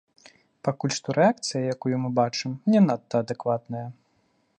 Пакуль што рэакцыя, якую мы бачым, не надта адэкватная.